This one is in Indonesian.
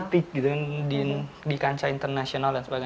tekanan politik di kancah internasional